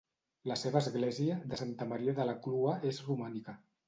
La seva església, de Santa Maria de la Clua és romànica.